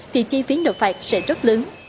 thì chi phí nộp phạt sẽ rất lớn